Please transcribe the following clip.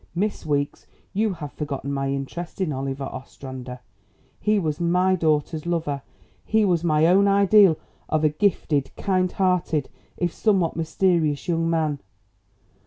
"Miss Weeks, you have forgotten my interest in Oliver Ostrander. He was my daughter's lover. He was my own ideal of a gifted, kind hearted, if somewhat mysterious, young man.